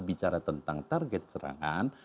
bicara tentang target serangan